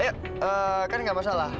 eh kan nggak masalah